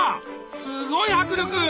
すごい迫力！